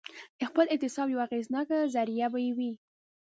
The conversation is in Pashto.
د خپل احتساب یوه اغېزناکه ذریعه به یې وي.